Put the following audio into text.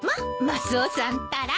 マスオさんったら。